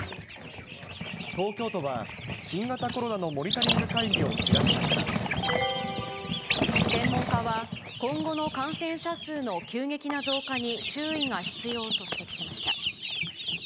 東京都は、新型コロナのモニ専門家は、今後の感染者数の急激な増加に注意が必要と指摘しました。